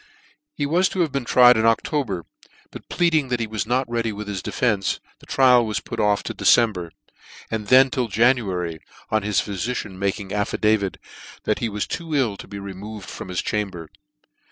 He was to have been tried in O&ober, but pleading that he was not ready with his defence, the trial was put off to December j and then till January, on his phyficians making affidavit that ne was too ill to be removed from his chamber.